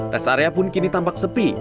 res area pun kini tampak sepi